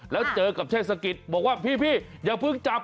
แล้วเจอกับเทศกิจบอกว่าพี่อย่าเพิ่งจับ